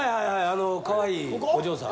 あのかわいいお嬢さん？